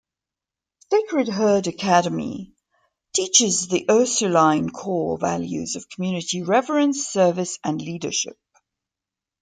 Sacred Heard Academy teaches the Ursuline Core Values of community, reverence, service, and leadership.